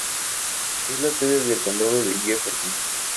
Es la sede del condado de Jefferson.